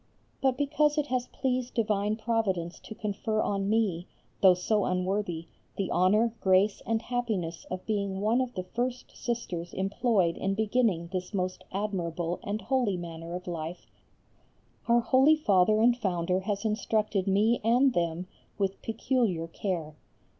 But because it has pleased divine Providence to confer on me, though so unworthy, the honour, grace and happiness of being one of the first sisters employed in beginning this most admirable and holy manner of life, our holy Father and Founder has instructed me and them with peculiar care.